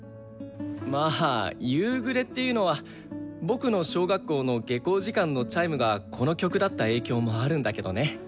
まあ「夕暮れ」っていうのは僕の小学校の下校時間のチャイムがこの曲だった影響もあるんだけどね。